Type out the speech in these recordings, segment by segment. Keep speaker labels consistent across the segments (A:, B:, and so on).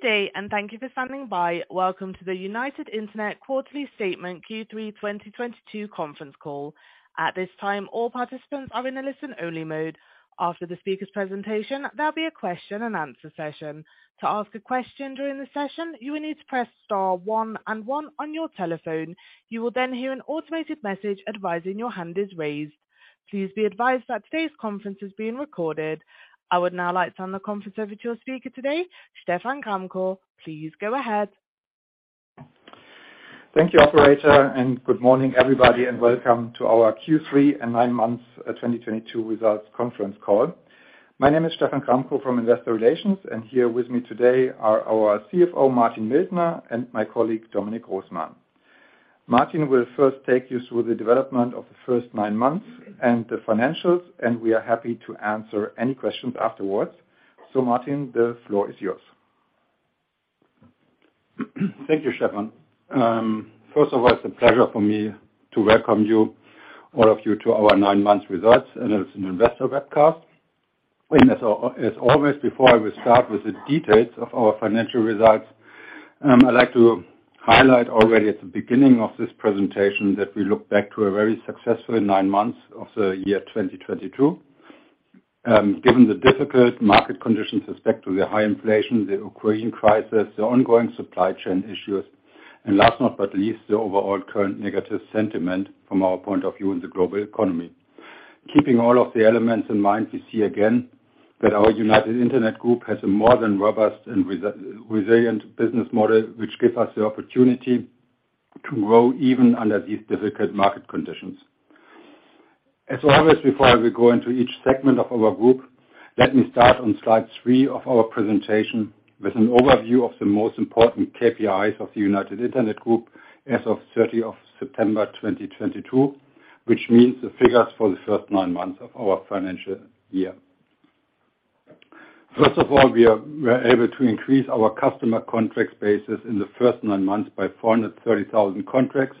A: Good day, and thank you for standing by. Welcome to the United Internet Quarterly Statement Q3 2022 conference call. At this time, all participants are in a listen-only mode. After the speaker's presentation, there'll be a question and answer session. To ask a question during the session, you will need to press star one and one on your telephone. You will then hear an automated message advising your hand is raised. Please be advised that today's conference is being recorded. I would now like to hand the conference over to our speaker today, Stephan Gramkow. Please go ahead.
B: Thank you, operator, and good morning, everybody, and welcome to our Q3 and nine months, 2022 results conference call. My name is Stephan Gramkow from Investor Relations, and here with me today are our CFO, Martin Mildner, and my colleague, Dominic Grossman. Martin will first take you through the development of the first nine months and the financials, and we are happy to answer any questions afterwards. Martin, the floor is yours.
C: Thank you, Stefan. First of all, it's a pleasure for me to welcome you, all of you, to our nine months results analysis investor webcast. As always, before I will start with the details of our financial results, I'd like to highlight already at the beginning of this presentation that we look back to a very successful nine months of the year 2022, given the difficult market conditions with respect to the high inflation, the Ukraine crisis, the ongoing supply chain issues, and last but not least, the overall current negative sentiment from our point of view in the global economy. Keeping all of the elements in mind, we see again that our United Internet group has a more than robust and resilient business model, which give us the opportunity to grow even under these difficult market conditions. As always, before we go into each segment of our group, let me start on slide three of our presentation with an overview of the most important KPIs of the United Internet Group as of 30 of September 2022, which means the figures for the first nine months of our financial year. First of all, we were able to increase our customer contract bases in the first nine months by 430,000 contracts,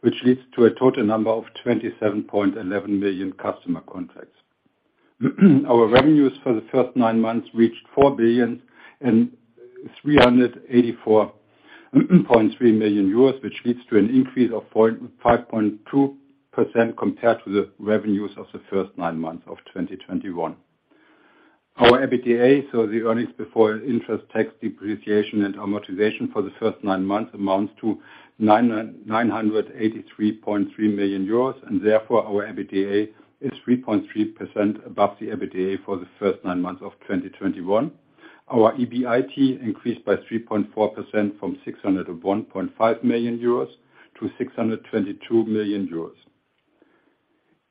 C: which leads to a total number of 27.11 million customer contracts. Our revenues for the first nine months reached 4,384.3 million euros, which leads to an increase of 5.2% compared to the revenues of the first nine months of 2021. Our EBITDA, so the earnings before interest tax depreciation and amortization for the first nine months amounts to 983.3 million euros, and therefore our EBITDA is 3.3% above the EBITDA for the first nine months of 2021. Our EBIT increased by 3.4% from 601.5 million-622 million euros.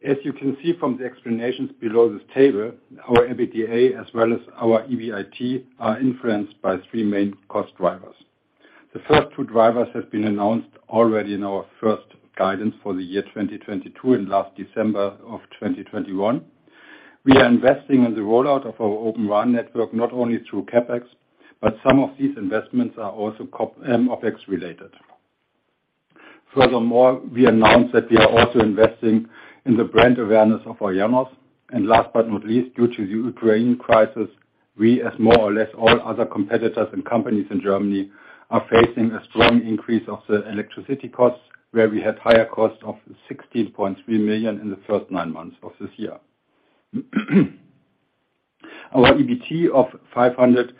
C: As you can see from the explanations below this table, our EBITDA as well as our EBIT are influenced by three main cost drivers. The first two drivers have been announced already in our first guidance for the year 2022 and last December of 2021. We are investing in the rollout of our Open RAN network, not only through CapEx, but some of these investments are also OpEx related. Furthermore, we announced that we are also investing in the brand awareness of Ionos. Last but not least, due to the Ukraine crisis, we, as more or less all other competitors and companies in Germany, are facing a strong increase of the electricity costs, where we had higher costs of 16.3 million in the first nine months of this year. Our EBT of 569.1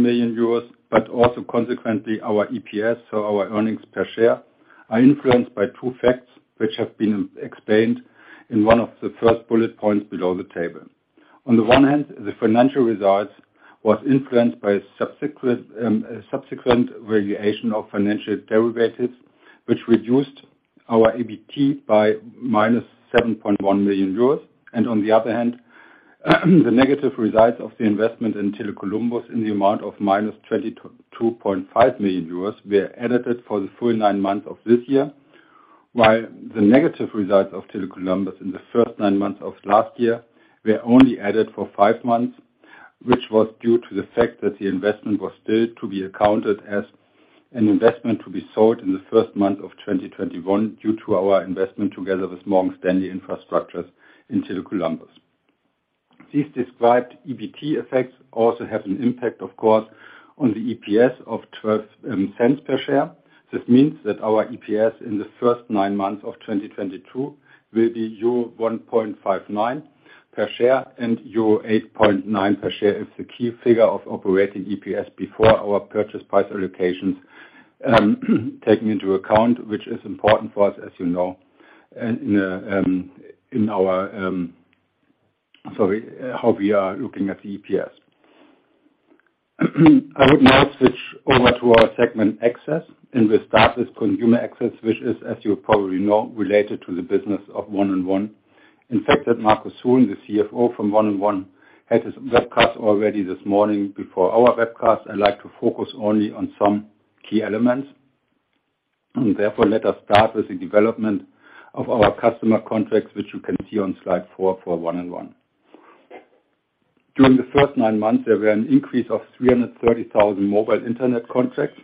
C: million euros, but also consequently our EPS, so our earnings per share, are influenced by two facts, which have been explained in one of the first bullet points below the table. On the one hand, the financial results was influenced by subsequent variation of financial derivatives, which reduced our EBT by -7.1 million euros. On the other hand, the negative results of the investment in Tele Columbus in the amount of -22.5 million euros were included for the full nine months of this year. While the negative results of Tele Columbus in the first nine months of last year were only added for five months, which was due to the fact that the investment was still to be accounted as an investment to be sold in the first month of 2021 due to our investment together with Morgan Stanley Infrastructure in Tele Columbus. These described EBT effects also have an impact, of course, on the EPS of 0.12 per share. This means that our EPS in the first nine months of 2022 will be euro 1.59 per share, and euro 8.9 per share is the key figure of operating EPS before our purchase price allocations, taking into account, which is important for us, as you know, how we are looking at the EPS. I would now switch over to our segment Access, and we'll start with Consumer Access, which is, as you probably know, related to the business of 1&1. In fact, that Markus Huhn, the CFO from 1&1, had his webcast already this morning before our webcast. I'd like to focus only on some key elements. Therefore, let us start with the development of our customer contracts, which you can see on slide four for 1&1. During the first nine months, there were an increase of 330,000 mobile internet contracts.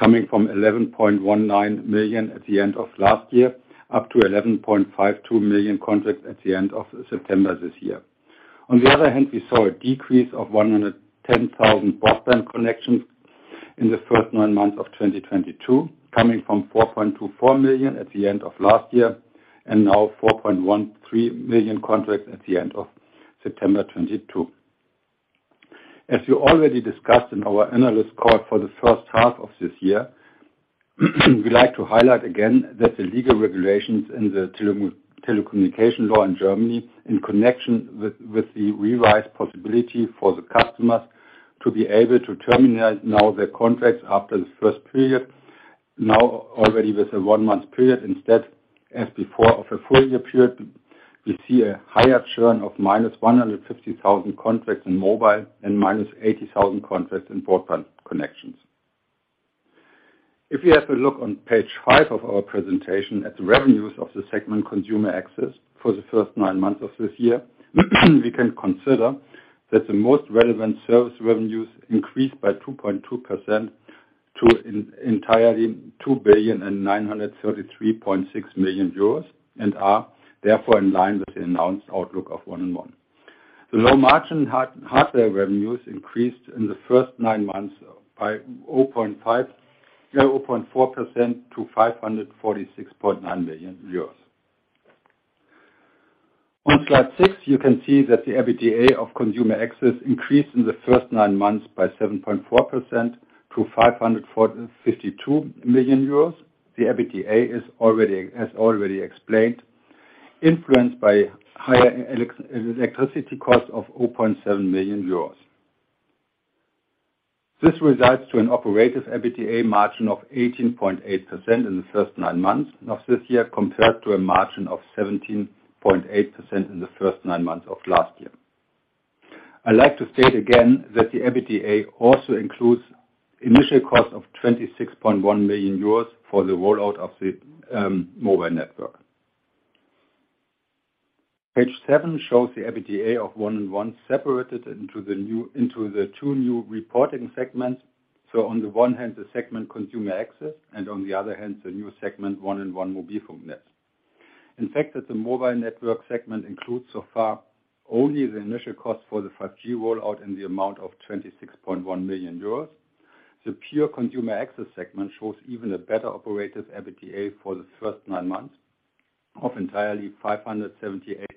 C: Coming from 11.19 million contracts at the end of last year, up to 11.52 million contracts at the end of September this year. On the other hand, we saw a decrease of 110,000 broadband connections in the first nine months of 2022, coming from 4.24 million contracts at the end of last year, and now 4.13 million contracts at the end of September 2022. As we already discussed in our analyst call for the first half of this year, we like to highlight again that the legal regulations in the telecommunication law in Germany, in connection with the revised possibility for the customers to be able to terminate now their contracts after the first period, now already with a one-month period instead, as before, of a full year period. We see a higher churn of -150,000 contracts in mobile and -80,000 contracts in broadband connections. If you have a look on page five of our presentation at the revenues of the segment consumer access for the first nine months of this year, we can consider that the most relevant service revenues increased by 2.2% to entirely 2,933.6 million euros, and are therefore in line with the announced outlook of 1&1. The low margin hardware revenues increased in the first nine months by 0.4% to 546.9 million euros. On slide six, you can see that the EBITDA of consumer access increased in the first nine months by 7.4% to 552 million euros. The EBITDA is already, as already explained, influenced by higher electricity costs of 0.7 million euros. This results to an operative EBITDA margin of 18.8% in the first nine months of this year, compared to a margin of 17.8% in the first nine months of last year. I'd like to state again that the EBITDA also includes initial cost of 26.1 million euros for the rollout of the mobile network. Page seven shows the EBITDA of 1&1 separated into the two new reporting segments. On the one hand, the segment Consumer Access, and on the other hand, the new segment, 1&1 mobile phone net. In fact, the mobile network segment includes so far only the initial cost for the 5G rollout in the amount of 26.1 million euros. The pure consumer access segment shows even a better operative EBITDA for the first nine months of 578.1 million euros,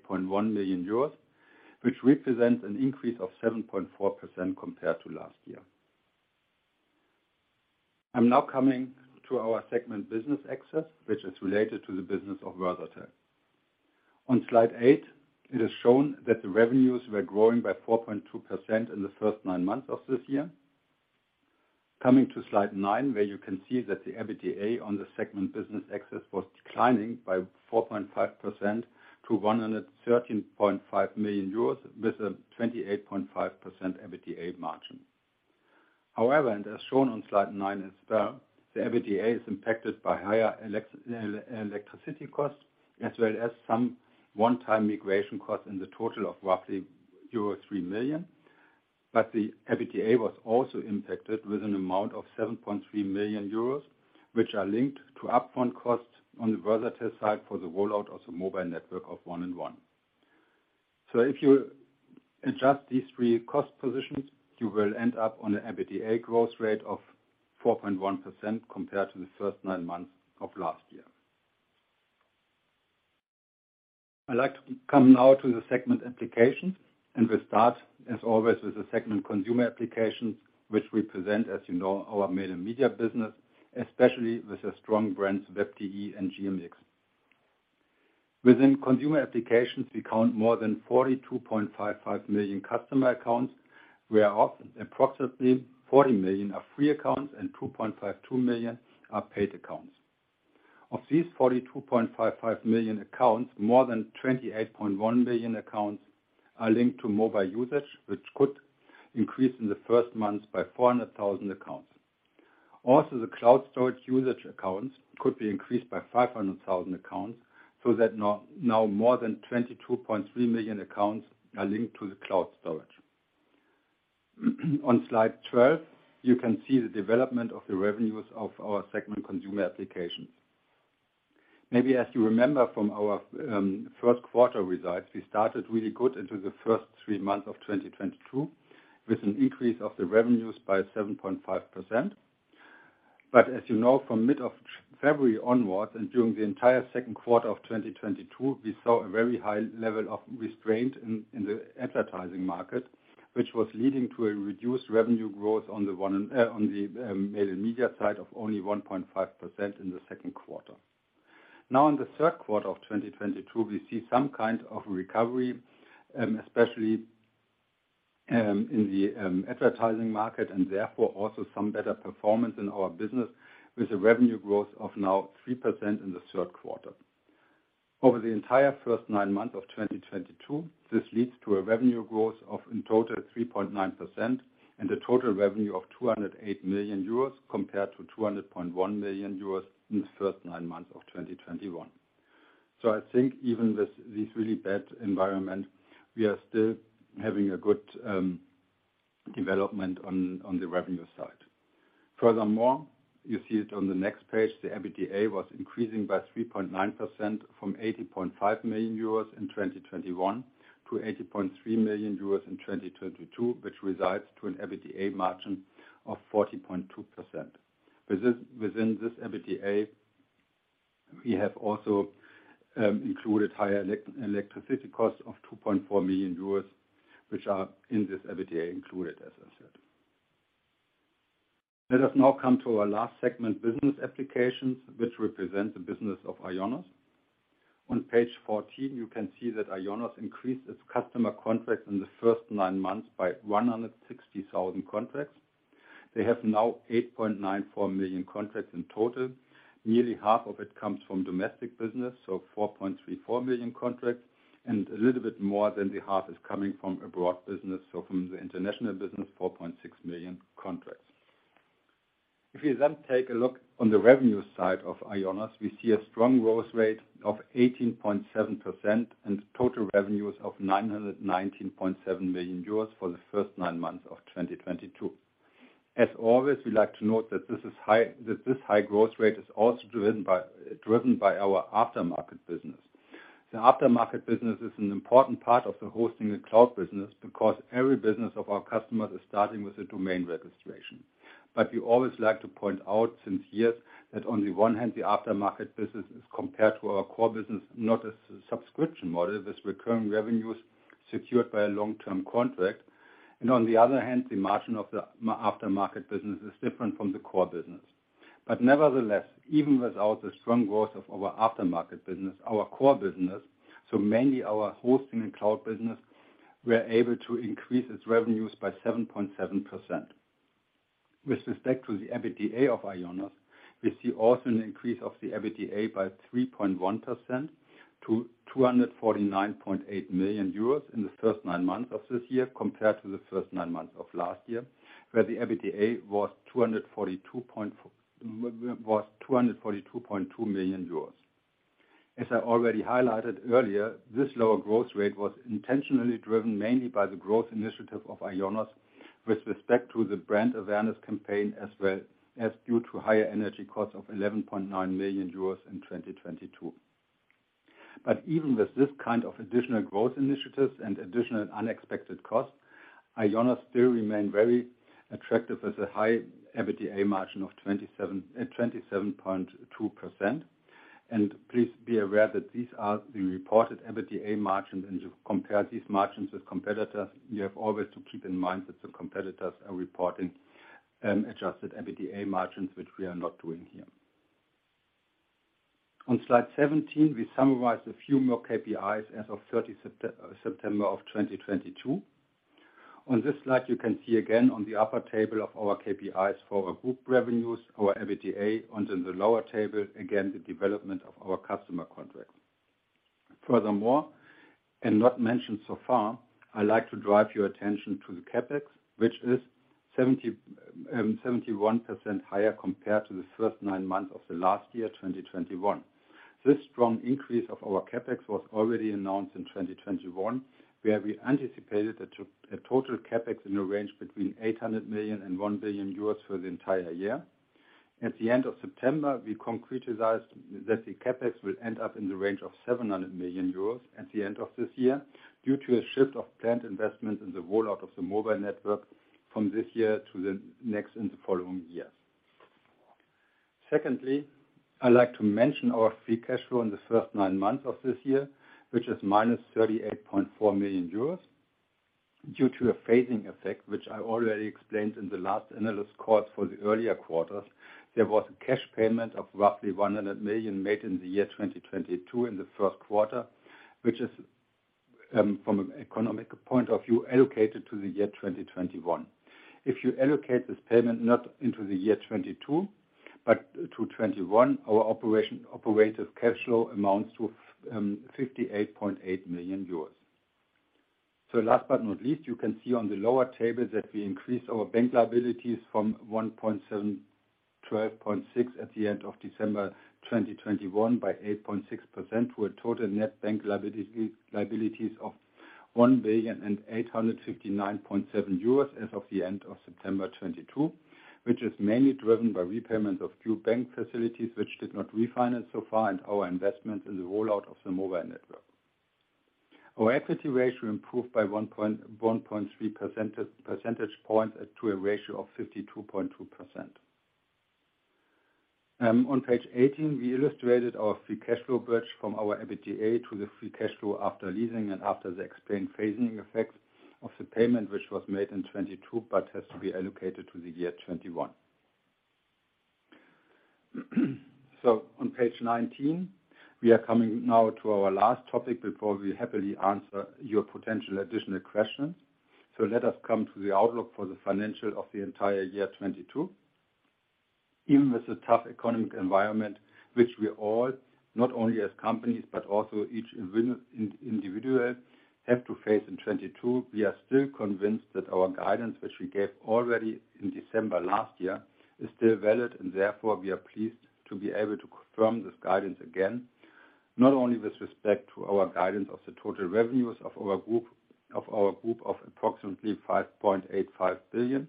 C: which represents an increase of 7.4% compared to last year. I'm now coming to our segment Business Access, which is related to the business of Versatel. On slide eight, it is shown that the revenues were growing by 4.2% in the first nine months of this year. Coming to slide nine, where you can see that the EBITDA on the segment Business Access was declining by 4.5% to 113.5 million euros with a 28.5% EBITDA margin. However, and as shown on slide nine as well, the EBITDA is impacted by higher electricity costs, as well as some one-time migration costs in the total of roughly euro 3 million. The EBITDA was also impacted with an amount of 7.3 million euros, which are linked to upfront costs on the Versatel side for the rollout of the mobile network of 1&1. If you adjust these three cost positions, you will end up on a EBITDA growth rate of 4.1% compared to the first nine months of last year. I'd like to come now to the segment applications, and we start, as always, with the segment consumer applications, which represent, as you know, our Mail & Media business, especially with the strong brands Web.de and GMX. Within consumer applications, we count more than 42.55 million customer accounts, where approximately 40 million are free accounts and 2.52 million are paid accounts. Of these 42.55 million accounts, more than 28.1 million accounts are linked to mobile usage, which could increase in the first months by 400,000 accounts. Also, the cloud storage usage accounts could be increased by 500,000 accounts, so that now more than 22.3 million accounts are linked to the cloud storage. On slide 12, you can see the development of the revenues of our segment consumer applications. Maybe as you remember from our first quarter results, we started really good into the first three months of 2022, with an increase of the revenues by 7.5%. As you know, from mid of February onwards and during the entire second quarter of 2022, we saw a very high level of restraint in the advertising market, which was leading to a reduced revenue growth on the Mail & Media side of only 1.5% in the second quarter. Now, in the third quarter of 2022, we see some kind of recovery, especially in the advertising market and therefore also some better performance in our business with a revenue growth of now 3% in the third quarter. Over the entire first nine months of 2022, this leads to a revenue growth of, in total, 3.9% and a total revenue of 208 million euros compared to 200.1 million euros in the first nine months of 2021. I think even this really bad environment, we are still having a good development on the revenue side. Furthermore, you see it on the next page, the EBITDA was increasing by 3.9% from 80.5 million euros in 2021 to 80.3 million euros in 2022, which results in an EBITDA margin of 14.2%. Within this EBITDA, we have also included higher electricity costs of 2.4 million euros, which are in this EBITDA included, as I said. Let us now come to our last segment, business applications, which represent the business of Ionos. On page 14, you can see that Ionos increased its customer contracts in the first nine months by 160,000 contracts. They have now 8.94 million contracts in total. Nearly half of it comes from domestic business, so 4.34 million contracts, and a little bit more than the half is coming from abroad business, so from the international business, 4.6 million contracts. If you then take a look on the revenue side of Ionos, we see a strong growth rate of 18.7% and total revenues of 919.7 million euros for the first nine months of 2022. As always, we like to note that this high growth rate is also driven by our aftermarket business. The aftermarket business is an important part of the hosting and cloud business because every business of our customers is starting with a domain registration. We always like to point out for years that on the one hand, the aftermarket business, compared to our core business, is not a subscription model. This recurring revenue is secured by a long-term contract. On the other hand, the margin of the aftermarket business is different from the core business. Nevertheless, even without the strong growth of our aftermarket business, our core business, so mainly our hosting and cloud business, we're able to increase its revenues by 7.7%. With respect to the EBITDA of Ionos, we see also an increase of the EBITDA by 3.1% to 249.8 million euros in the first nine months of this year compared to the first nine months of last year, where the EBITDA was 242.2 million euros. As I already highlighted earlier, this lower growth rate was intentionally driven mainly by the growth initiative of Ionos with respect to the brand awareness campaign, as well as due to higher energy costs of 11.9 million euros in 2022. Even with this kind of additional growth initiatives and additional unexpected costs, Ionos still remain very attractive as a high EBITDA margin of 27.2%. Please be aware that these are the reported EBITDA margins. To compare these margins with competitors, you have always to keep in mind that the competitors are reporting adjusted EBITDA margins, which we are not doing here. On slide 17, we summarize a few more KPIs as of 30 September of 2022. On this slide, you can see again on the upper table of our KPIs for our group revenues, our EBITDA, and in the lower table, again, the development of our customer contract. Furthermore, and not mentioned so far, I like to draw your attention to the CapEx, which is 71% higher compared to the first nine months of the last year, 2021. This strong increase of our CapEx was already announced in 2021, where we anticipated a total CapEx in a range between 800 million and 1 billion euros for the entire year. At the end of September, we concretized that the CapEx will end up in the range of 700 million euros at the end of this year due to a shift of plant investment in the rollout of the mobile network from this year to the next and the following years. Secondly, I like to mention our free cash flow in the first nine months of this year, which is -38.4 million euros. Due to a phasing effect, which I already explained in the last analyst call for the earlier quarters, there was a cash payment of roughly 100 million made in the year 2022 in the first quarter, which is, from an economic point of view, allocated to the year 2021. If you allocate this payment not into the year 2022 but to 2021, our operative cash flow amounts to 58.8 million euros. Last but not least, you can see on the lower table that we increased our bank liabilities from 1.7126 billion at the end of December 2021 by 8.6% to a total net bank liabilities of 1.8597 billion as of the end of September 2022, which is mainly driven by repayment of two bank facilities which did not refinance so far and our investment in the rollout of the mobile network. Our equity ratio improved by 1.3 percentage points to a ratio of 52.2%. On page 18, we illustrated our free cash flow bridge from our EBITDA to the free cash flow after leasing and after the explained phasing effect of the payment, which was made in 2022, but has to be allocated to the year 2021. On page 19, we are coming now to our last topic before we happily answer your potential additional questions. Let us come to the outlook for the financials of the entire year 2022. Even with the tough economic environment, which we all, not only as companies, but also each individual have to face in 2022, we are still convinced that our guidance, which we gave already in December last year, is still valid. Therefore, we are pleased to be able to confirm this guidance again. Not only with respect to our guidance of the total revenues of our group of approximately 5.85 billion,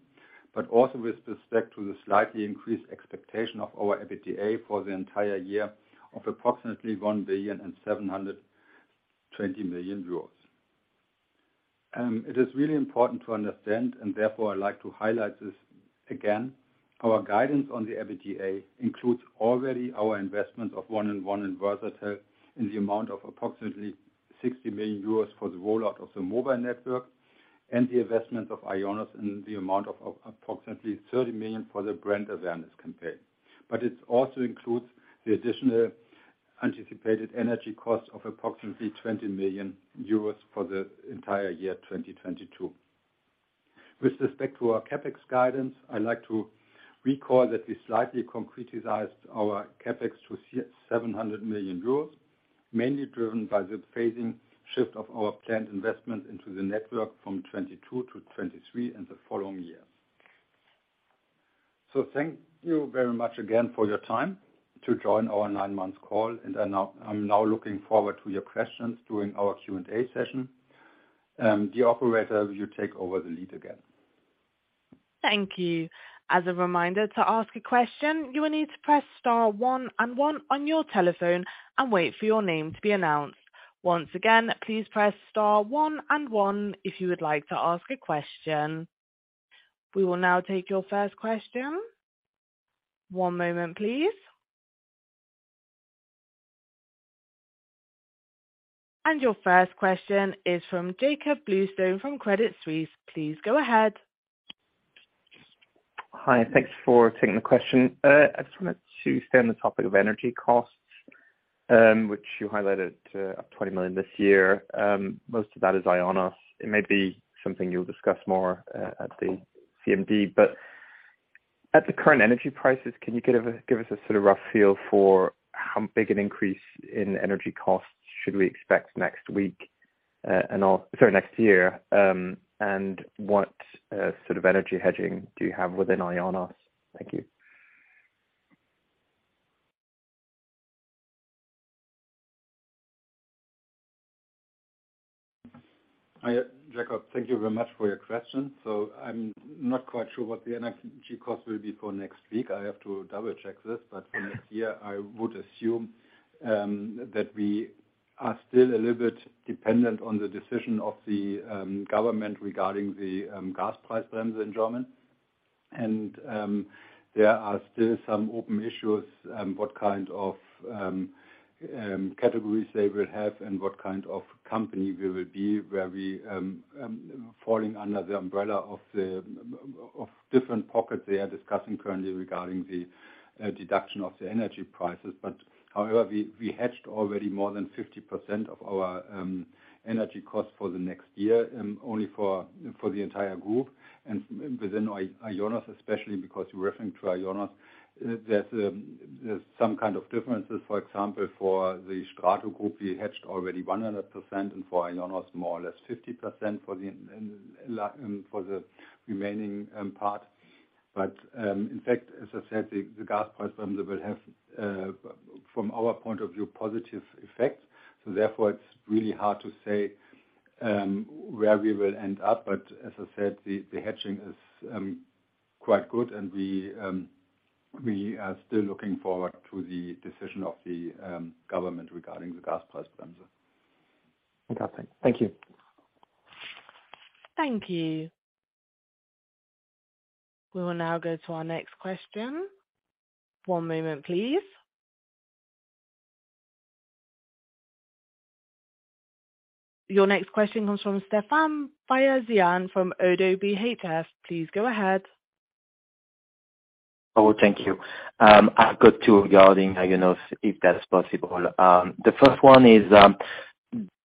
C: but also with respect to the slightly increased expectation of our EBITDA for the entire year of approximately 1.72 billion. It is really important to understand, and therefore I'd like to highlight this again, our guidance on the EBITDA includes already our investment of 1&1 Versatel in the amount of approximately 60 million euros for the rollout of the mobile network and the investment of Ionos in the amount of approximately 30 million for the brand awareness campaign. But it also includes the additional anticipated energy costs of approximately 20 million euros for the entire year 2022. With respect to our CapEx guidance, I'd like to recall that we slightly concretized our CapEx to 700 million euros, mainly driven by the phasing shift of our planned investment into the network from 2022 to 2023 and the following years. Thank you very much again for your time to join our nine months call, and I'm now looking forward to your questions during our Q&A session. The operator, you take over the lead again.
A: Thank you. As a reminder, to ask a question, you will need to press star one and one on your telephone and wait for your name to be announced. Once again, please press star one and one if you would like to ask a question. We will now take your first question. One moment, please. Your first question is from Jakob Bluestone from Credit Suisse. Please go ahead.
D: Hi, thanks for taking the question. I just wanted to stay on the topic of energy costs, which you highlighted, up 20 million this year. Most of that is Ionos. It may be something you'll discuss more at the CMD. At the current energy prices, can you give us a sort of rough feel for how big an increase in energy costs should we expect next year, and what sort of energy hedging do you have within Ionos? Thank you.
C: Hi, Jakob. Thank you very much for your question. I'm not quite sure what the energy cost will be for next week. I have to double-check this. For next year, I would assume that we are still a little bit dependent on the decision of the government regarding the gas price plans in Germany. There are still some open issues what kind of categories they will have and what kind of company we will be, where we falling under the umbrella of the different pockets they are discussing currently regarding the deduction of the energy prices. However, we hedged already more than 50% of our energy costs for the next year only for the entire group. Within Ionos, especially because you're referring to Ionos, there's some kind of differences. For example, for the Strato group, we hedged already 100%, and for Ionos more or less 50% for the remaining part. In fact, as I said, the gas price plans will have, from our point of view, positive effect. Therefore it's really hard to say where we will end up. As I said, the hedging is quite good and we are still looking forward to the decision of the government regarding the gas price plans.
D: Fantastic. Thank you.
A: Thank you. We will now go to our next question. One moment, please. Your next question comes from Stéphane Beyazian from ODDO BHF. Please go ahead.
E: Oh, thank you. I've got two regarding Ionos, if that's possible. The first one is,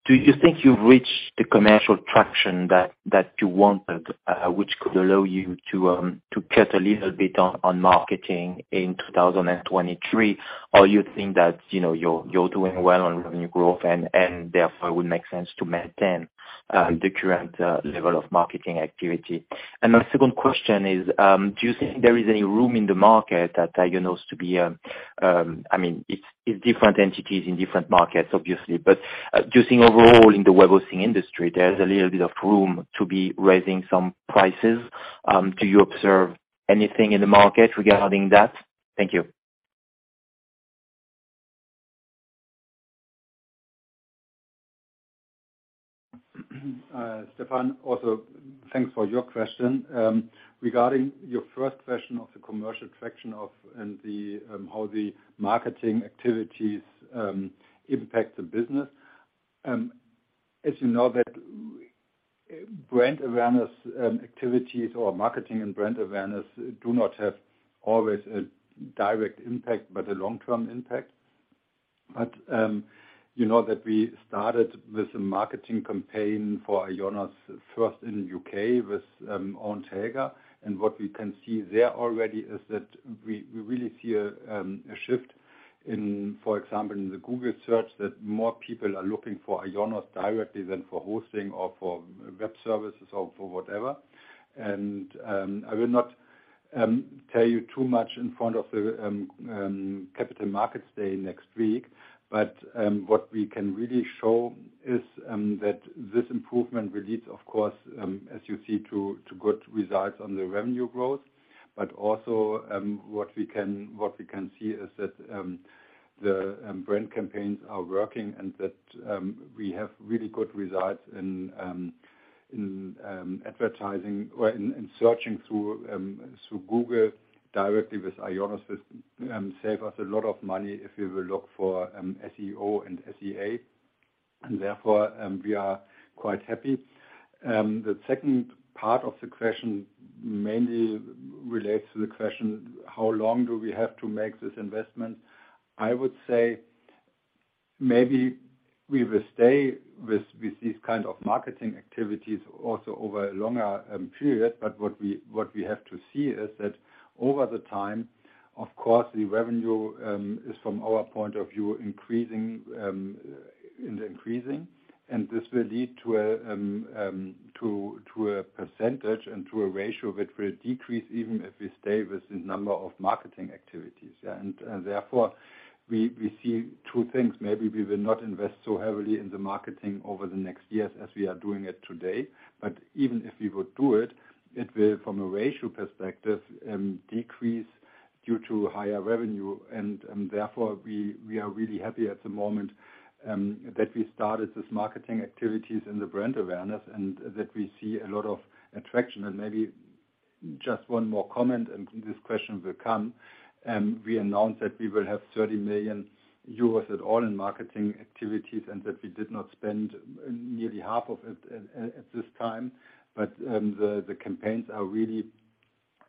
E: do you think you've reached the commercial traction that you wanted, which could allow you to cut a little bit on marketing in 2023? Or you think that, you know, you're doing well on revenue growth and therefore it would make sense to maintain the current level of marketing activity? My second question is, do you think there is any room in the market at Ionos to be, I mean, it's different entities in different markets obviously, but do you think overall in the web hosting industry, there's a little bit of room to be raising some prices? Do you observe anything in the market regarding that? Thank you.
C: Stéphane, also thanks for your question. Regarding your first question of the commercial traction and how the marketing activities impact the business. As you know, that brand awareness activities or marketing and brand awareness do not have always a direct impact, but a long-term impact. You know that we started with a marketing campaign for Ionos first in U.K. with Owen Teague. What we can see there already is that we really see a shift in, for example, in the Google search, that more people are looking for Ionos directly than for hosting or for web services or for whatever. I will not tell you too much in front of the capital markets day next week. What we can really show is that this improvement will lead, of course, as you see, to good results on the revenue growth. What we can see is that the brand campaigns are working and that we have really good results in advertising or in searching through so Google directly with Ionos save us a lot of money if we will look for SEO and SEA, and therefore we are quite happy. The second part of the question mainly relates to the question, how long do we have to make this investment? I would say maybe we will stay with these kind of marketing activities also over a longer period. What we have to see is that over the time, of course, the revenue is from our point of view, increasing. This will lead to a percentage and to a ratio that will decrease even if we stay with the number of marketing activities. Therefore we see two things. Maybe we will not invest so heavily in the marketing over the next years as we are doing it today, but even if we would do it will from a ratio perspective decrease due to higher revenue. Therefore we are really happy at the moment that we started this marketing activities and the brand awareness and that we see a lot of attraction. Maybe just one more comment and this question will come. We announced that we will have 30 million euros in total in marketing activities, and that we did not spend nearly half of it this time. The campaigns are really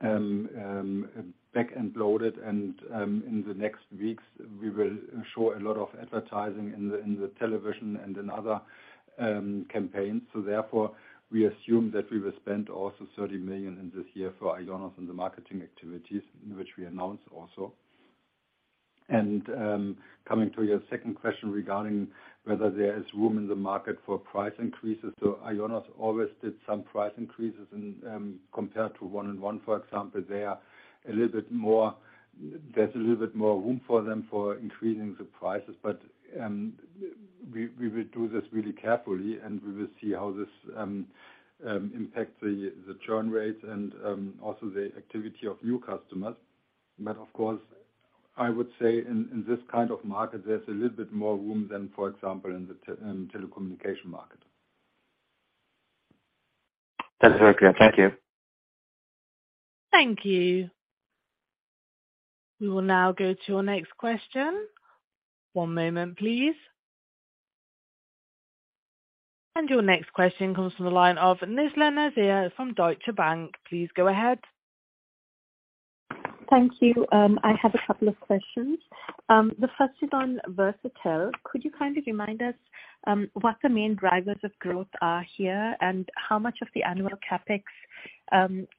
C: back-end loaded. In the next weeks we will show a lot of advertising in the television and in other campaigns. Therefore we assume that we will spend also 30 million this year for Ionos and the marketing activities in which we announce also. Coming to your second question regarding whether there is room in the market for price increases. Ionos always did some price increases in compared to 1&1, for example. They are a little bit more, there's a little bit more room for them for increasing the prices. We will do this really carefully, and we will see how this impacts the churn rates and also the activity of new customers. Of course, I would say in this kind of market, there's a little bit more room than, for example, in the telecommunication market.
E: That's very clear. Thank you.
A: Thank you. We will now go to our next question. One moment please. Your next question comes from the line of Nizla Naizer from Deutsche Bank. Please go ahead.
F: Thank you. I have a couple of questions. The first is on Versatel. Could you kind of remind us, what the main drivers of growth are here, and how much of the annual CapEx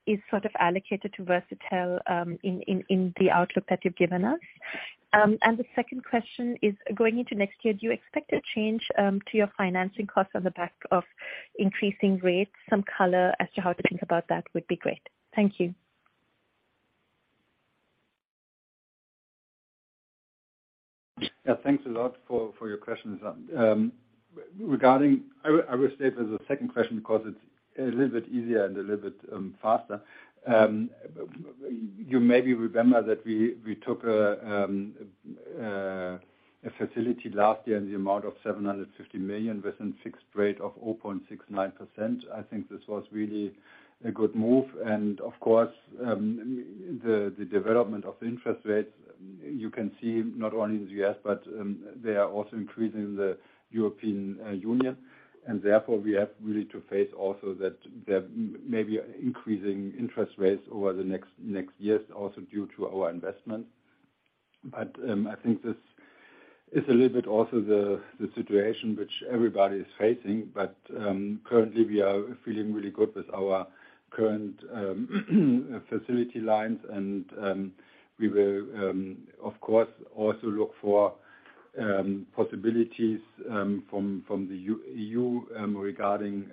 F: is sort of allocated to Versatel, in the outlook that you've given us? The second question is, going into next year, do you expect a change to your financing costs on the back of increasing rates? Some color as to how to think about that would be great. Thank you.
C: Yeah, thanks a lot for your questions. Regarding, I will start with the second question because it's a little bit easier and a little bit faster. You maybe remember that we took a facility last year in the amount of 750 million with a fixed rate of 0.69%. I think this was really a good move. Of course, the development of interest rates, you can see not only in the U.S., but they are also increasing in the European Union. Therefore we have really to face also that there may be increasing interest rates over the next years, also due to our investment. I think this is a little bit also the situation which everybody is facing. Currently we are feeling really good with our current facility lines. We will of course also look for possibilities from the EU regarding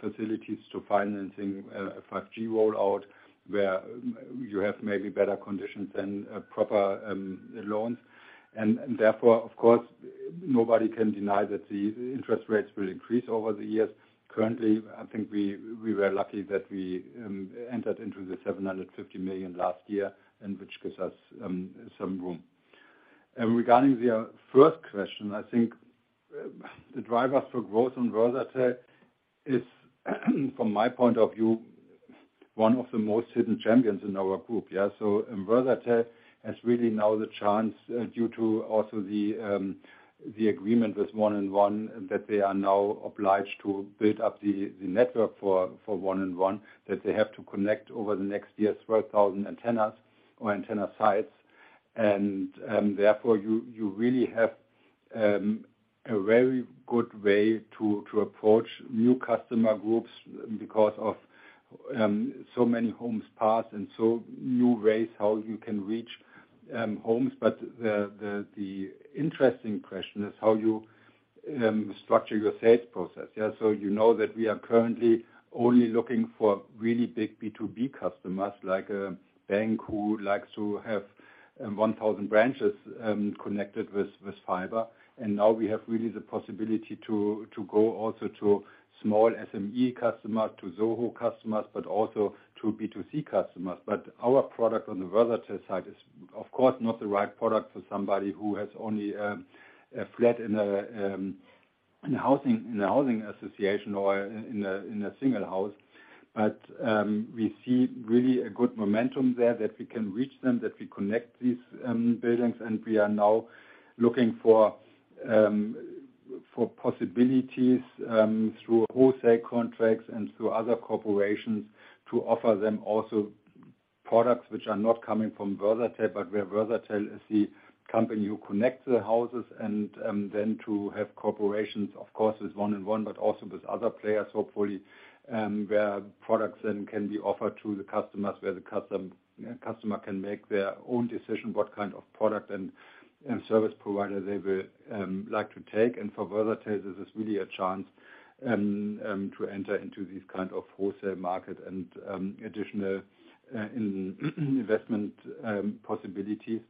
C: facilities to financing a 5G rollout where you have maybe better conditions than proper loans. Therefore of course, nobody can deny that the interest rates will increase over the years. Currently, I think we were lucky that we entered into the 750 million last year and which gives us some room. Regarding the first question, I think the drivers for growth on Versatel is from my point of view, one of the most hidden champions in our group. Yeah. In Versatel has really now the chance, due to also the agreement with 1&1, that they are now obliged to build up the network for 1&1, that they have to connect over the next year 12,000 antennas or antenna sites. Therefore you really have a very good way to approach new customer groups because of so many homes passed and so new ways how you can reach homes. But the interesting question is how you structure your sales process. Yeah, so you know that we are currently only looking for really big B2B customers like a bank who likes to have 1,000 branches connected with fiber. Now we have really the possibility to go also to small SME customers, to SoHo customers, but also to B2C customers. Our product on the Versatel side is, of course, not the right product for somebody who has only a flat in a housing association or in a single house. We see really a good momentum there that we can reach them, that we connect these buildings, and we are now looking for possibilities through wholesale contracts and through other corporations to offer them also products which are not coming from Versatel. Versatel is the company who connects the houses and then to have corporations, of course, with 1&1, but also with other players, hopefully, where products then can be offered to the customers, where the customer can make their own decision, what kind of product and service provider they will like to take. For Versatel, this is really a chance to enter into this kind of wholesale market and additional investment possibilities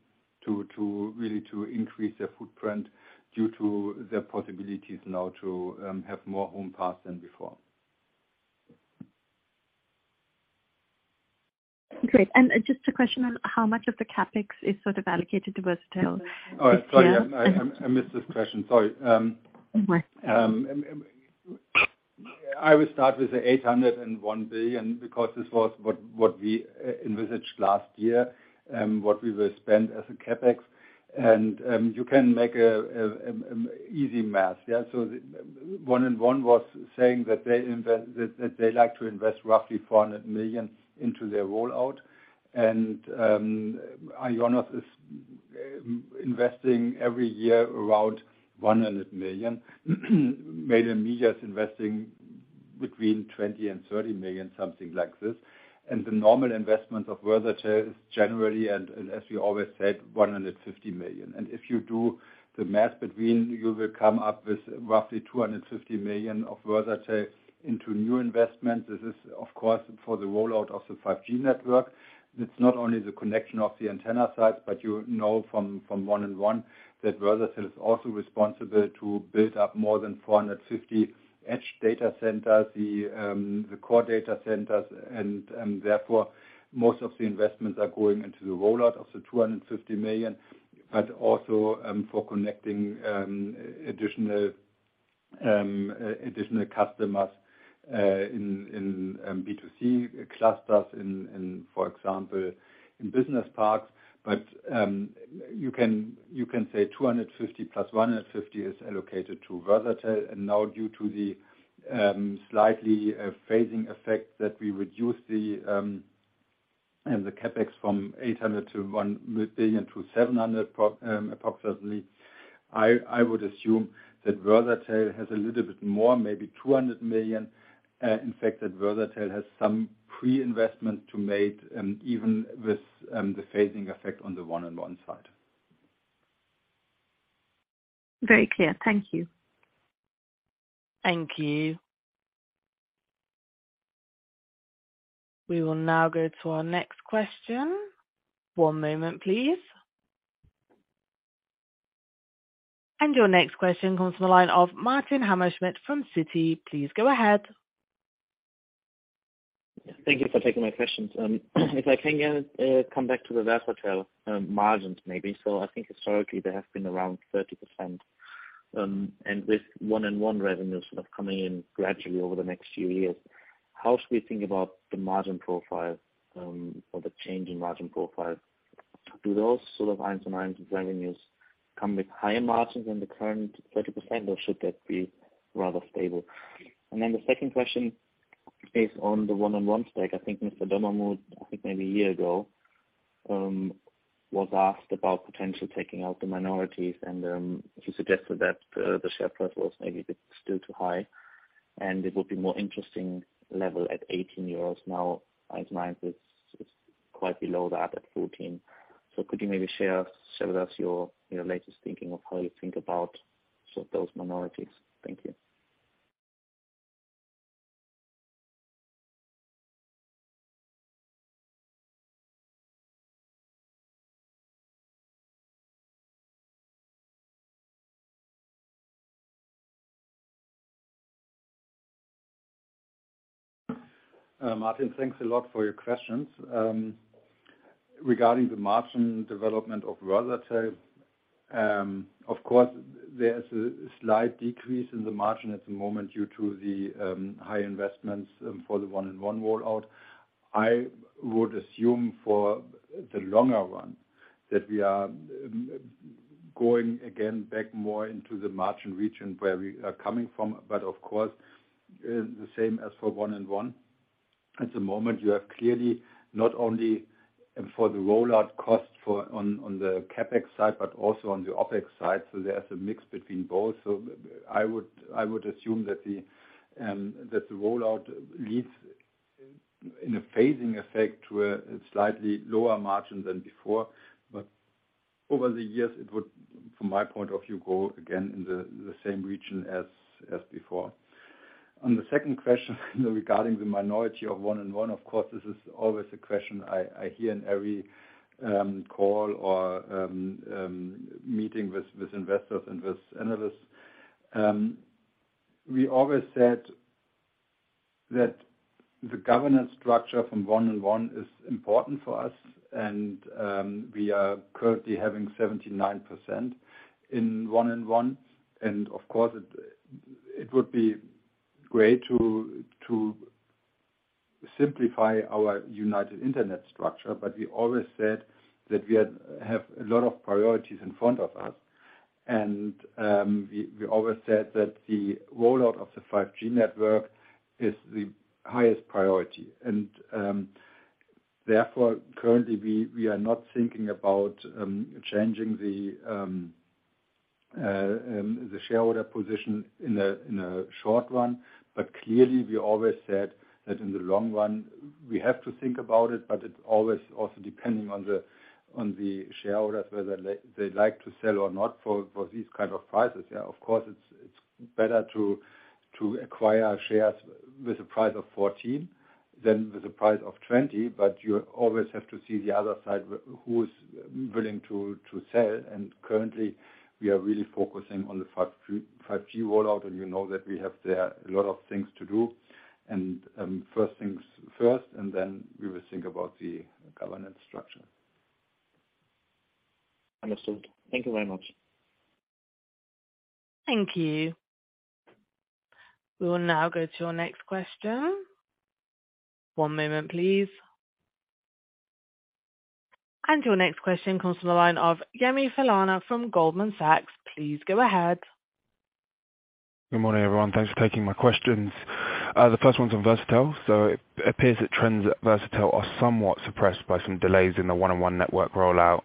C: to really increase their footprint due to the possibilities now to have more homes passed than before.
F: Great. Just a question on how much of the CapEx is sort of allocated to Versatel?
C: Oh, sorry. I missed this question. Sorry.
F: No worries.
C: I would start with the 801 million because this was what we envisaged last year, what we will spend as a CapEx. You can make an easy math. 1&1 was saying that they like to invest roughly 400 million into their rollout. Ionos is investing every year around 100 million. Mail & Media is investing between 20 million and 30 million, something like this. The normal investment of Versatel is generally, and as we always said, 150 million. If you do the math between, you will come up with roughly 250 million of Versatel into new investments. This is, of course, for the rollout of the 5G network. It's not only the connection of the antenna sites, but you know from 1&1 that Versatel is also responsible to build up more than 450 edge data centers, the core data centers. Therefore, most of the investments are going into the rollout of the 250 million. But also for connecting additional customers in B2C clusters, for example, in business parks. You can say 250 million + 150 million is allocated to Versatel. Now due to the slightly phasing effect that we reduced the CapEx from 800 million-1 billion-EUR 700 million, approximately. I would assume that Versatel has a little bit more, maybe 200 million, in fact, that Versatel has some pre-investment to make, even with the phasing effect on the 1&1 side.
F: Very clear. Thank you.
A: Thank you. We will now go to our next question. One moment, please. Your next question comes from the line of Martin Hammerschmidt from Citi. Please go ahead.
G: Thank you for taking my questions. If I can come back to the Versatel margins, maybe. I think historically they have been around 30%, and with 1&1 revenues sort of coming in gradually over the next few years. How should we think about the margin profile, or the change in margin profile? Do those sort of 1&1 revenues come with higher margins than the current 30%, or should that be rather stable? Then the second question is on the 1&1 stake. I think Mr. Dommermuth maybe a year ago was asked about potentially taking out the minorities. He suggested that the share price was maybe a bit still too high, and it would be more interesting level at 18 euros. Now, 1&1 is quite below that at EUR 14.Could you maybe share with us your latest thinking of how you think about sort of those minorities? Thank you.
C: Martin, thanks a lot for your questions. Regarding the margin development of Versatel, of course, there's a slight decrease in the margin at the moment due to the high investments for the 1&1 rollout. I would assume for the longer run that we are going again back more into the margin region where we are coming from. Of course, the same as for 1&1. At the moment you have clearly not only for the rollout cost on the CapEx side, but also on the OpEx side. There's a mix between both. I would assume that the rollout leads in a phasing effect to a slightly lower margin than before. Over the years, it would, from my point of view, grow again in the same region as before. On the second question regarding the minority of 1&1, of course, this is always a question I hear in every call or meeting with investors and with analysts. We always said that the governance structure from 1&1 is important for us and we are currently having 79% in 1&1, and of course, it would be great to simplify our United Internet structure, but we always said that we have a lot of priorities in front of us. We always said that the rollout of the 5G network is the highest priority. Therefore, currently, we are not thinking about changing the shareholder position in a short run. Clearly, we always said that in the long run we have to think about it, but it's always also depending on the on the shareholders, whether they like to sell or not for these kind of prices. Yeah, of course, it's better to acquire shares with a price of 14 than with a price of 20, but you always have to see the other side, who's willing to sell. Currently, we are really focusing on the 5G rollout. You know that we have there a lot of things to do. First things first, and then we will think about the governance structure.
G: Understood. Thank you very much.
A: Thank you. We will now go to our next question. One moment, please. Your next question comes from the line of Yemi Falana from Goldman Sachs. Please go ahead.
H: Good morning, everyone. Thanks for taking my questions. The first one's on Versatel. It appears that trends at Versatel are somewhat suppressed by some delays in the 1&1 network rollout.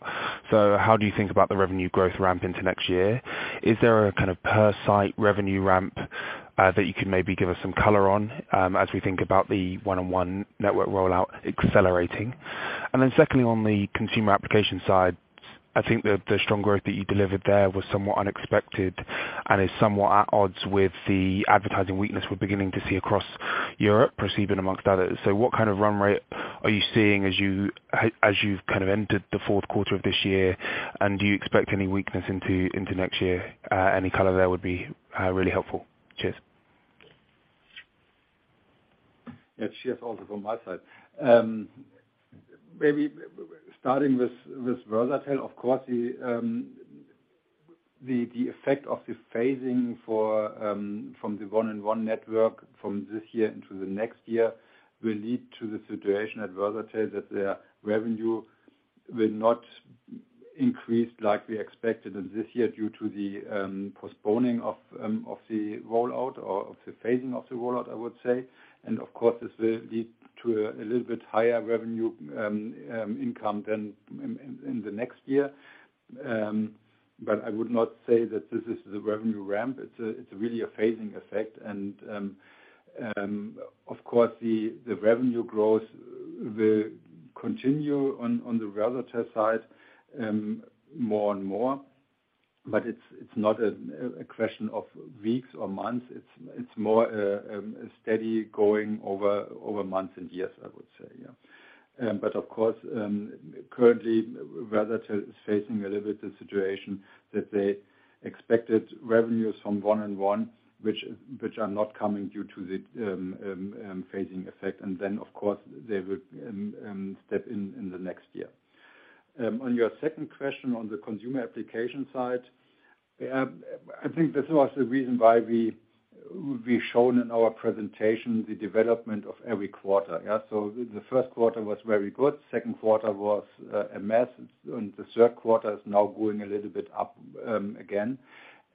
H: How do you think about the revenue growth ramp into next year? Is there a kind of per site revenue ramp that you could maybe give us some color on, as we think about the 1&1 network rollout accelerating? Then secondly, on the consumer application side, I think the strong growth that you delivered there was somewhat unexpected and is somewhat at odds with the advertising weakness we're beginning to see across Europe, proceeding amongst others. What kind of run rate are you seeing as you've kind of entered the fourth quarter of this year, and do you expect any weakness into next year? Any color there would be really helpful. Cheers.
C: Yeah, cheers also from my side. Maybe starting with Versatel, of course, the effect of the phasing from the 1&1 network from this year into the next year will lead to the situation at Versatel that their revenue will not increase like we expected this year due to the postponing of the rollout or of the phasing of the rollout, I would say. Of course, this will lead to a little bit higher revenue income than in the next year. But I would not say that this is the revenue ramp. It's really a phasing effect. Of course, the revenue growth will continue on the Versatel side more and more, but it's not a question of weeks or months. It's more a steady going over months and years, I would say, yeah. Of course, currently, Versatel is facing a little bit the situation that they expected revenues from 1&1, which are not coming due to the phasing effect. Of course, they would step in in the next year. On your second question on the consumer application side, I think this was the reason why we shown in our presentation the development of every quarter. Yeah, the first quarter was very good, second quarter was a mess, and the third quarter is now going a little bit up again.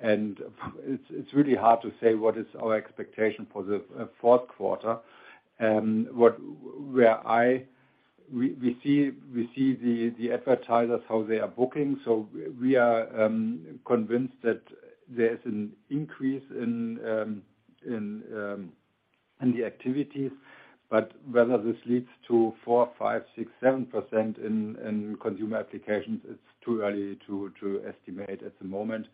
C: It's really hard to say what is our expectation for the fourth quarter. We see the advertisers how they are booking. We are convinced that there is an increase in the activities, but whether this leads to 4%,5%,6%,7% in consumer applications, it's too early to estimate at the moment.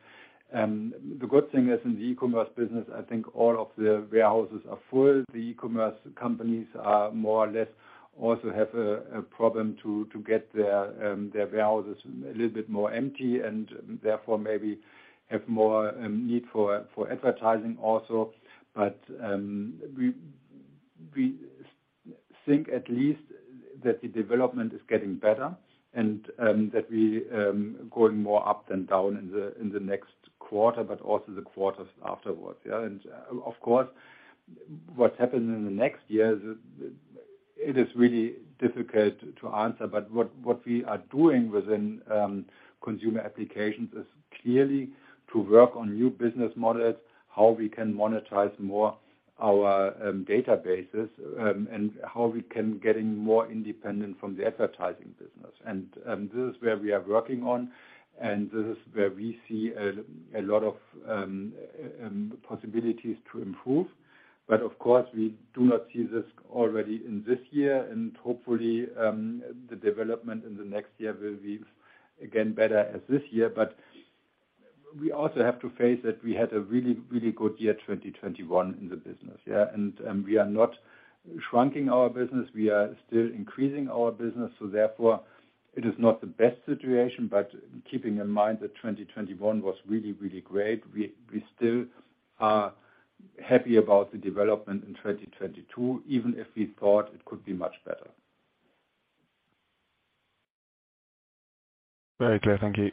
C: The good thing is, in the e-commerce business, I think all of the warehouses are full. The e-commerce companies are more or less also have a problem to get their warehouses a little bit more empty and therefore maybe have more need for advertising also. We think at least that the development is getting better and that we going more up than down in the next quarter, but also the quarters afterwards. Yeah, of course, what happens in the next years, it is really difficult to answer. What we are doing within consumer applications is clearly to work on new business models, how we can monetize more our databases, and how we can getting more independent from the advertising business. This is where we are working on, and this is where we see a lot of possibilities to improve. Of course, we do not see this already in this year, and hopefully the development in the next year will be again better as this year. We also have to face that we had a really good year, 2021 in the business, yeah. We are not shrinking our business. We are still increasing our business, so therefore it is not the best situation. Keeping in mind that 2021 was really, really great, we still are happy about the development in 2022, even if we thought it could be much better.
H: Very clear. Thank you.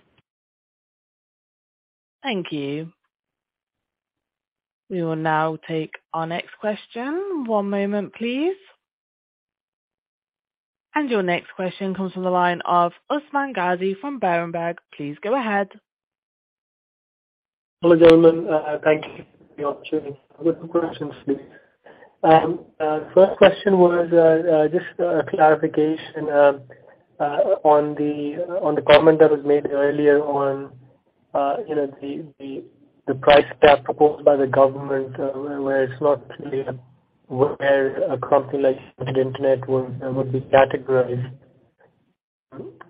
A: Thank you. We will now take our next question. One moment, please. Your next question comes from the line of Usman Ghazi from Berenberg. Please go ahead.
I: Hello, gentlemen. Thank you for the opportunity. I've got some questions for you. First question was just a clarification on the comment that was made earlier on, you know, the price cap proposed by the government, where it's not clear where a company like United Internet would be categorized.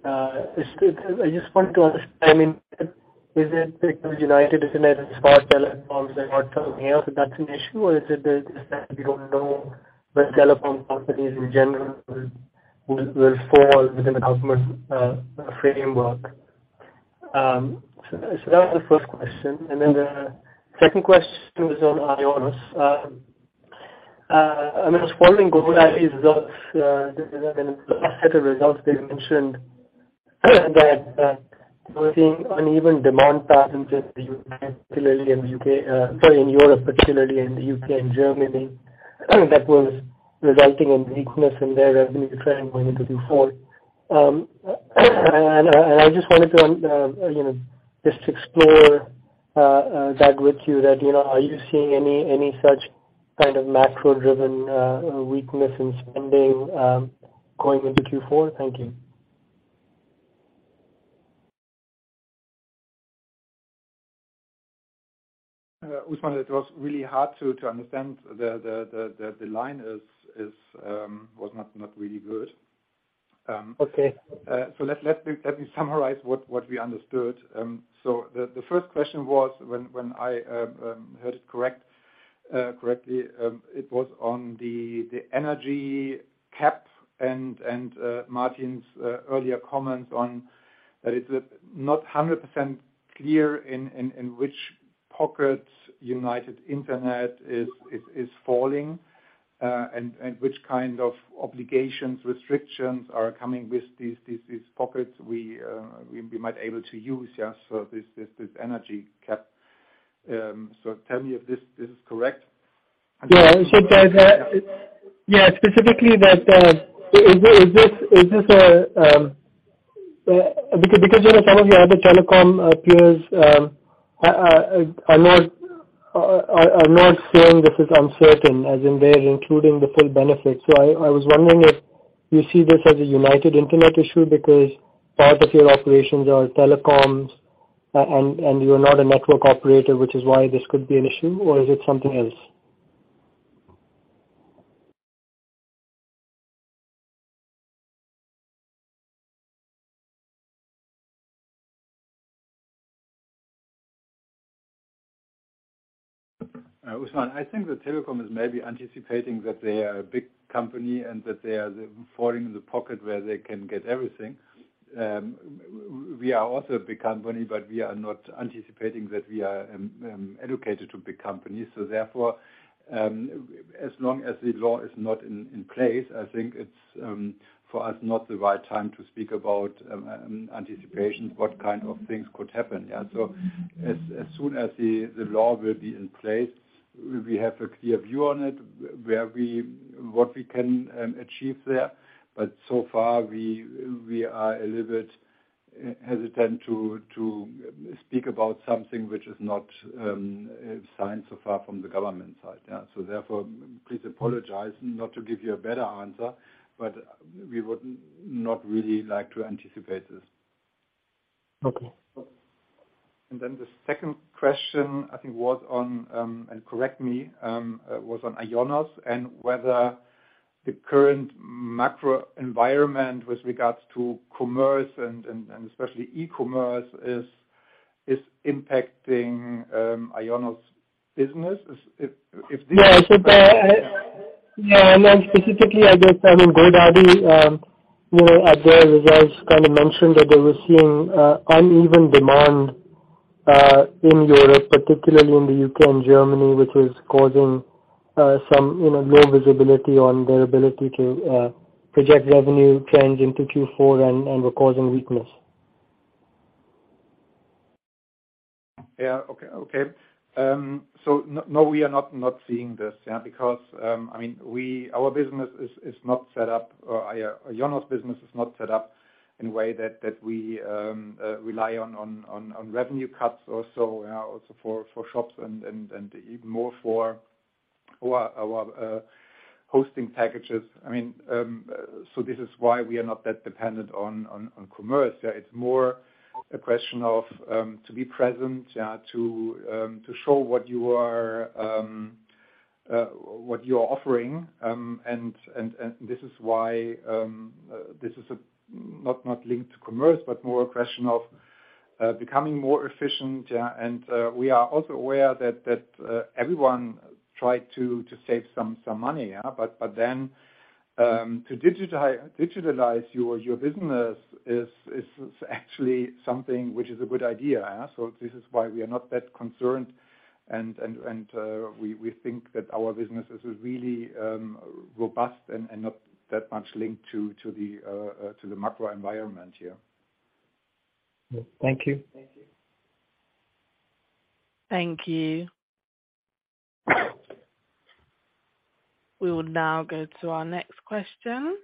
I: I just want to understand, I mean, is it because United is in the same spot as telephones and what have you, so that's an issue? Or is it that you don't know where telephone companies in general will fall within the government framework? So that was the first question. Then the second question was on Ionos, and it was following GoDaddy's results. The last set of results, they mentioned that we're seeing uneven demand patterns in Europe, particularly in the U.K. and Germany, that was resulting in weakness in their revenue trend going into Q4. I just wanted to, you know, just explore that with you, that you know, are you seeing any such kind of macro-driven weakness in spending going into Q4? Thank you.
C: Usman, it was really hard to understand. The line was not really good.
I: Okay.
C: Let me summarize what we understood. The first question was, when I heard it correctly, it was on the energy cap and Martin's earlier comments on that it's not 100% clear in which pocket United Internet is falling, and which kind of obligations, restrictions are coming with these pockets we might be able to use, this energy cap. Tell me if this is correct.
I: Yeah. Specifically, because some of your other telecom peers are not saying this is uncertain, as in they're including the full benefits. I was wondering if you see this as a United Internet issue because part of your operations are telecoms and you're not a network operator, which is why this could be an issue, or is it something else?
C: Usman, I think the telecom is maybe anticipating that they are a big company and that they are falling in the pocket where they can get everything. We are also a big company, but we are not anticipating that we are allocated to big companies. Therefore, as long as the law is not in place, I think it's for us not the right time to speak about anticipation, what kind of things could happen. Yeah. As soon as the law will be in place, we have a clear view on it, what we can achieve there. So far, we are a little bit hesitant to speak about something which is not signed so far from the government side. Yeah. Please apologize not to give you a better answer, but we would not really like to anticipate this.
I: Okay.
C: Then the second question, I think, and correct me, was on Ionos and whether the current macro environment with regards to commerce and especially e-commerce is impacting Ionos' business. If this-
I: I think, yeah, like specifically, I guess, I mean, GoDaddy, you know, at their results kind of mentioned that they were seeing uneven demand in Europe, particularly in the U.K. and Germany, which was causing some, you know, low visibility on their ability to project revenue trends into Q4 and were causing weakness.
C: Yeah. Okay. No, we are not seeing this, yeah, because, I mean, our business is not set up or Ionos business is not set up in a way that we rely on revenue cuts also for shops and even more for our hosting packages. I mean, this is why we are not that dependent on commerce. Yeah. It's more a question of to be present, to show what you are offering. And this is why this is not linked to commerce, but more a question of becoming more efficient. Yeah. We are also aware that everyone tried to save some money. To digitalize your business is actually something which is a good idea. This is why we are not that concerned and we think that our business is really robust and not that much linked to the macro environment, yeah.
I: Thank you.
A: Thank you. We will now go to our next question.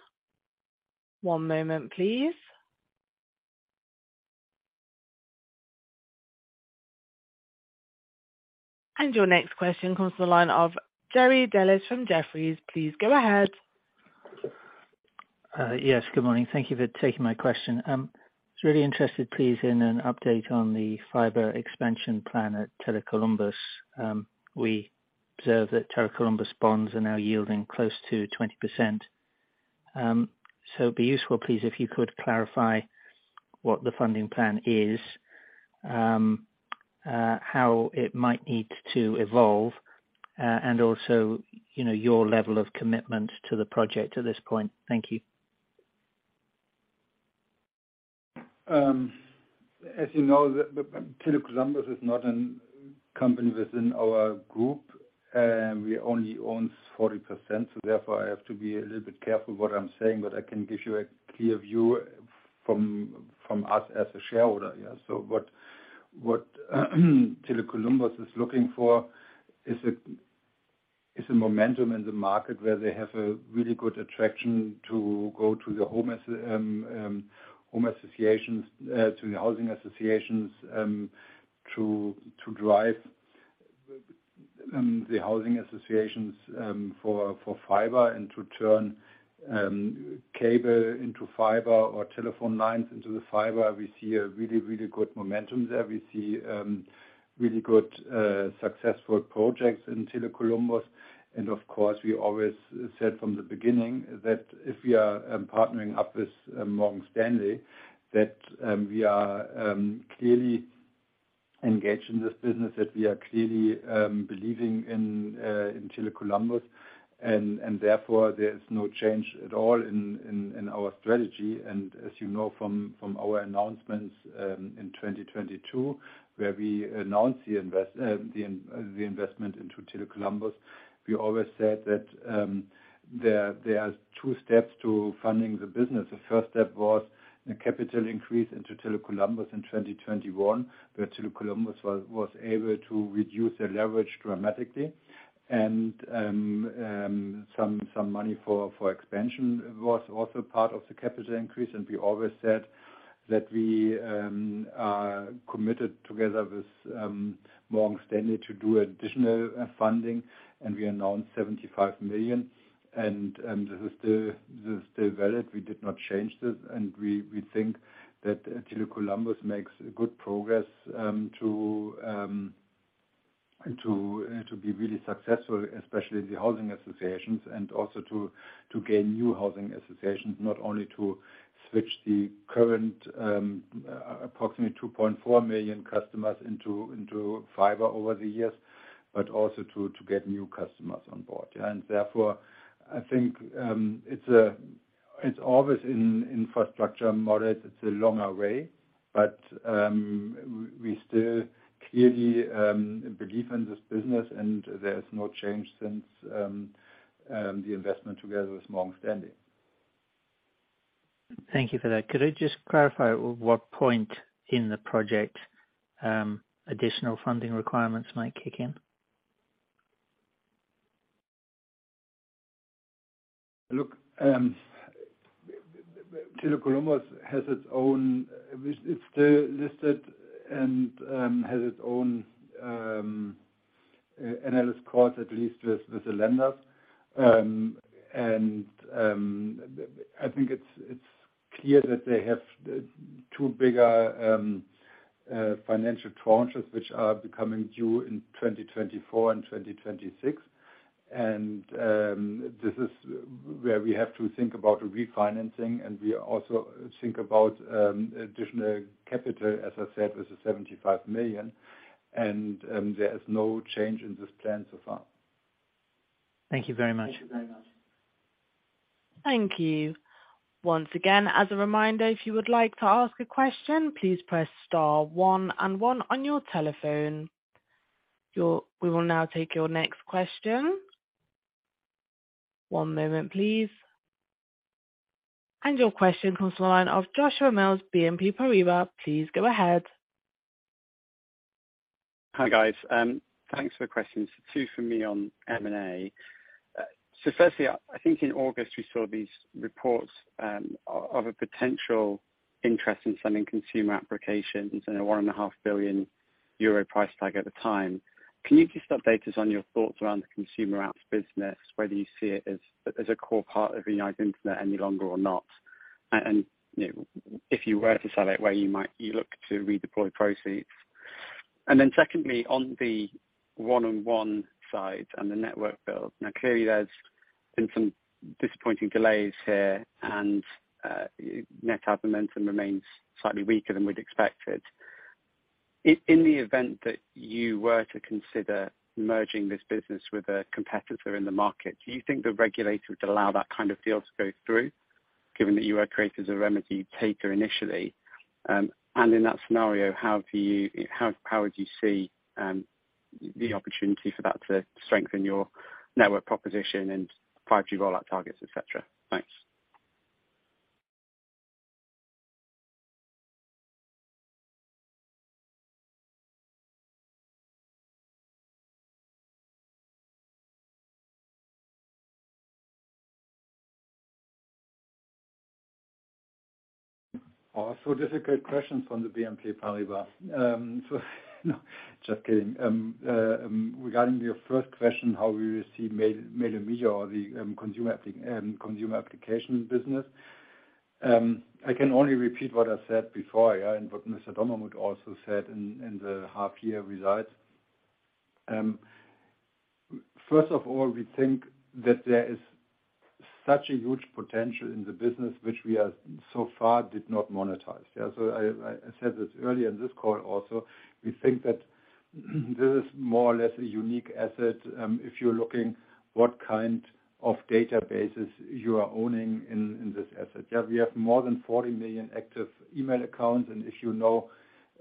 A: One moment, please. Your next question comes to the line of Jerry Dellis from Jefferies. Please go ahead.
J: Yes, good morning. Thank you for taking my question. Was really interested, please, in an update on the fiber expansion plan at Tele Columbus. We observe that Tele Columbus bonds are now yielding close to 20%. So it'd be useful, please, if you could clarify what the funding plan is, how it might need to evolve, and also, you know, your level of commitment to the project at this point. Thank you.
C: As you know, the Tele Columbus is not a company within our group, and we only owns 40%, so therefore I have to be a little bit careful what I'm saying, but I can give you a clear view from us as a shareholder. Yeah. What Tele Columbus is looking for is a momentum in the market where they have a really good traction to go to the home associations, to the housing associations, to drive the housing associations for fiber and to turn cable into fiber or telephone lines into the fiber. We see a really good momentum there. We see really good successful projects in Tele Columbus. Of course, we always said from the beginning that if we are partnering up with Morgan Stanley that we are clearly engaged in this business, that we are clearly believing in Tele Columbus. Therefore, there is no change at all in our strategy. As you know from our announcements in 2022, where we announced the investment into Tele Columbus, we always said that there are two steps to funding the business. The first step was a capital increase into Tele Columbus in 2021, where Tele Columbus was able to reduce their leverage dramatically. Some money for expansion was also part of the capital increase. We always said that we committed together with Morgan Stanley to do additional funding, and we announced 75 million. This is still valid. We did not change this. We think that Tele Columbus makes good progress to be really successful, especially the housing associations and also to gain new housing associations, not only to switch the current approximately 2.4 million customers into fiber over the years, but also to get new customers on board. Yeah. Therefore, I think it's always in infrastructure models, it's a longer way. We still clearly believe in this business, and there is no change since the investment together with Morgan Stanley.
J: Thank you for that. Could I just clarify at what point in the project, additional funding requirements might kick in?
C: Look, Tele Columbus has its own. It's still listed and has its own analysis clause, at least with the lenders. I think it's clear that they have two bigger financial tranches which are becoming due in 2024 and 2026. This is where we have to think about refinancing, and we also think about additional capital, as I said, with the 75 million. There is no change in this plan so far.
J: Thank you very much.
A: Thank you. Once again, as a reminder, if you would like to ask a question, please press star one and one on your telephone. We will now take your next question. One moment, please. Your question comes from the line of Joshua Mills, BNP Paribas. Please go ahead.
K: Hi, guys. Thanks for the questions. Two for me on M&A. Firstly, I think in August we saw these reports of a potential interest in selling consumer applications and a 1.5 billion euro price tag at the time. Can you just update us on your thoughts around the consumer apps business, whether you see it as a core part of United Internet any longer or not? You know, if you were to sell it, where you might look to redeploy proceeds? Secondly, on the 1&1 side and the network build. Now clearly there's been some disappointing delays here and net add momentum remains slightly weaker than we'd expected. In the event that you were to consider merging this business with a competitor in the market, do you think the regulator would allow that kind of deal to go through given that you were created as a remedy taker initially? In that scenario, how would you see the opportunity for that to strengthen your network proposition and 5G rollout targets, et cetera? Thanks.
C: Oh, difficult questions from BNP Paribas. No, just kidding. Regarding your first question, revenue from Mail & Media or the consumer app, consumer application business. I can only repeat what I said before, yeah, and what Mr. Dommermuth also said in the half year results. First of all, we think that there is such a huge potential in the business which we are so far did not monetize. Yeah, I said this earlier in this call also. We think that this is more or less a unique asset, if you're looking what kind of databases you are owning in this asset. Yeah, we have more than 40 million active email accounts,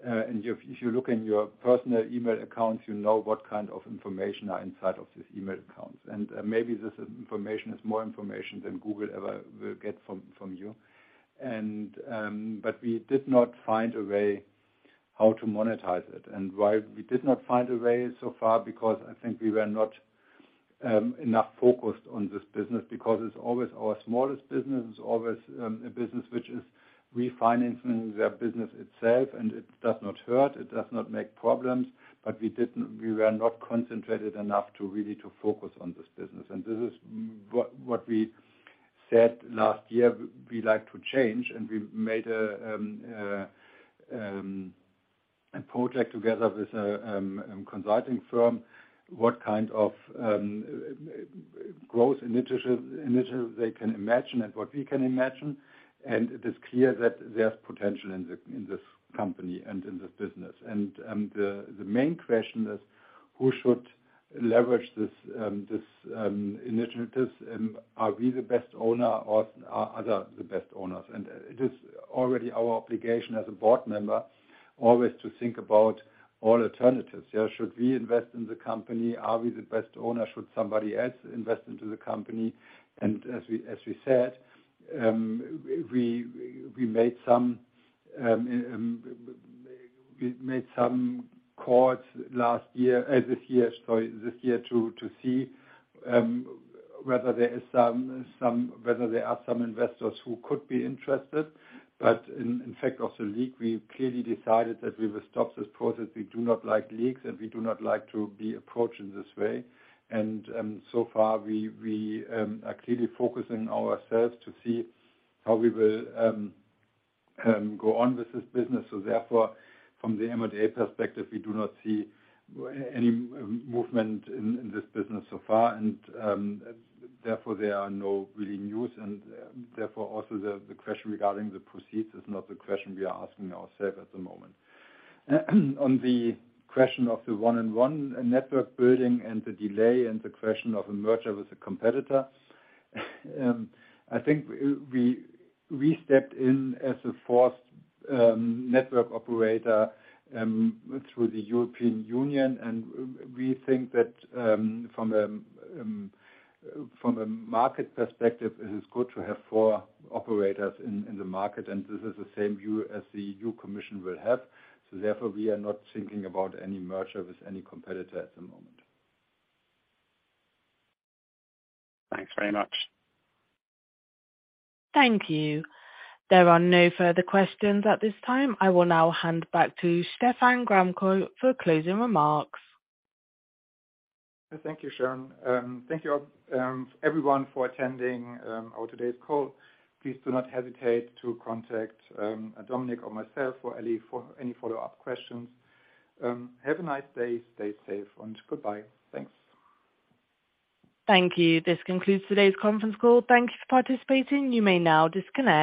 C: and if you look in your personal email accounts, you know what kind of information are inside of these email accounts. Maybe this information is more information than Google ever will get from you. We did not find a way how to monetize it. Why we did not find a way so far because I think we were not enough focused on this business because it's always our smallest business. It's always a business which is refinancing their business itself, and it does not hurt. It does not make problems. We didn't, we were not concentrated enough to really focus on this business. This is what we said last year we'd like to change, and we made a project together with a consulting firm, what kind of growth initiatives they can imagine and what we can imagine. It is clear that there's potential in this company and in this business. The main question is who should leverage this initiatives. Are we the best owner or are other the best owners? It is already our obligation as a board member always to think about all alternatives. Yeah. Should we invest in the company? Are we the best owner? Should somebody else invest into the company? As we said, we made some calls this year to see whether there are some investors who could be interested. In fact of the leak, we clearly decided that we will stop this process. We do not like leaks, and we do not like to be approached in this way. So far we are clearly focusing ourselves to see how we will go on with this business. Therefore from the M&A perspective, we do not see any movement in this business so far. Therefore there are no real news and therefore also the question regarding the proceeds is not the question we are asking ourselves at the moment. On the question of the 1&1 network building and the delay and the question of a merger with a competitor, I think we stepped in as a fourth network operator through the European Union. We think that from a market perspective, it is good to have four operators in the market, and this is the same view as the European Commission will have. Therefore we are not thinking about any merger with any competitor at the moment.
K: Thanks very much.
A: Thank you. There are no further questions at this time. I will now hand back to Stephan Gramkow for closing remarks.
B: Thank you, Sharon. Thank you, everyone for attending, our today's call. Please do not hesitate to contact, Dominic or myself or Ellie for any follow up questions. Have a nice day. Stay safe and goodbye. Thanks.
A: Thank you. This concludes today's conference call. Thank you for participating. You may now disconnect.